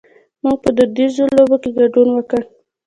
مونږ په دودیزو لوبو کې ګډون وکړ.